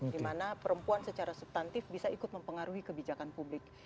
dimana perempuan secara subtantif bisa ikut mempengaruhi kebijakan publik